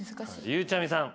ゆうちゃみさん。